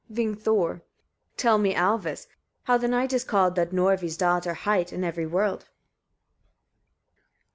Vingthor. 30. Tell me, Alvis! etc., how the night is called, that Norvi's daughter hight, in every world.